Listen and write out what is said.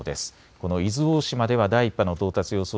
この伊豆大島では第１波の到達予想